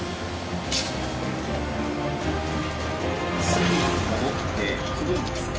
すぐに戻ってくるんですよね？